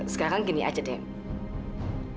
sekarang gini aja deh